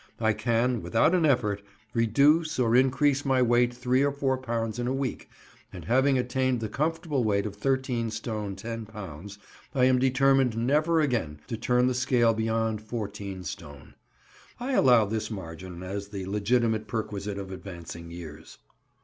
I can, without an effort, reduce or increase my weight three or four pounds in a week, and having attained the comfortable weight of 13 stone 10 lbs, I am determined never again to turn the scale beyond 14 stone. I allow this margin as the legitimate perquisite of advancing years.